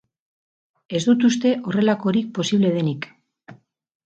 Ez dut uste horrelakorik posible denik.